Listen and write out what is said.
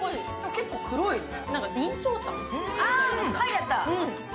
結構黒いね。